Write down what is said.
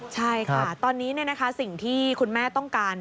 ใช่ค่ะตอนนี้สิ่งที่คุณแม่ต้องการ